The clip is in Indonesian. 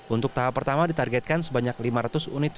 untuk tahap pertama ditargetkan sebanyak lima ratus unit